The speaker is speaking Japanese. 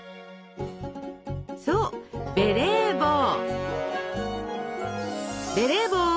そうベレー帽。